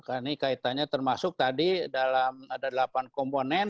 ini kaitannya termasuk tadi dalam ada delapan komponen